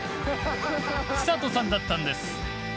寿人さんだったんです。